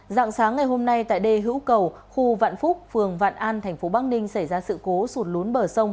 dạng sáng ngày hôm nay tại đề hữu cầu khu vạn phúc phường vạn an tp bắc ninh xảy ra sự cố sụt lún bờ sông